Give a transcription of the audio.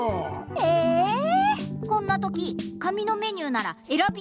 ええ⁉こんなとき紙のメニューならえらび